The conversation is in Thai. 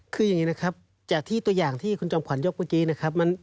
คืออย่างนี้นะครับจากที่ตัวอย่างที่คุณจอมขวัญยกเมื่อกี้นะครับ